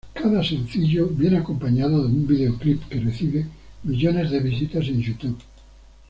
Cada sencillo viene acompañado de un videoclip que recibe millones de visitas en Youtube.